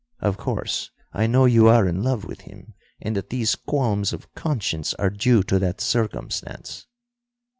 Of course I know you are in love with him, and that these qualms of conscience are due to that circumstance."